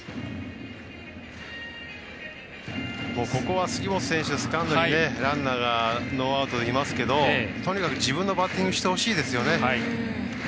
ここは杉本選手セカンドにランナーがノーアウトでいますけどとにかく、自分のバッティングしてほしいですよね。